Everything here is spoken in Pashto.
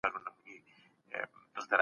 څلورم، پنځم او شپږم هم پېژنو.